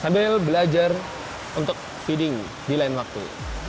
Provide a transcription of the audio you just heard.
sambil belajar untuk feeding di lain waktu